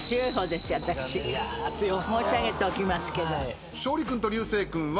申し上げておきますけど。